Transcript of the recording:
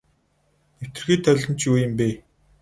Нэвтэрхий толь нь ч юу юм бэ.